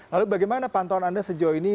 lalu bagaimana pantauan anda sejauh ini